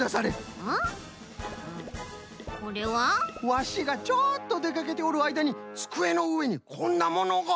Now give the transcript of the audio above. ワシがちょっとでかけておるあいだにつくえのうえにこんなものが。